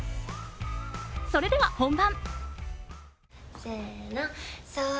それでは本番！